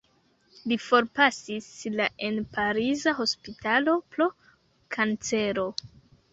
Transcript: Li forpasis la en pariza hospitalo pro kancero.